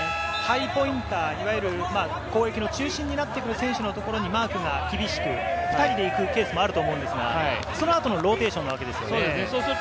ハイポインター、攻撃の中心になってくる選手のところにマークを厳しく、２人で行くケースもあると思いますが、この後のローテーションのわけですね。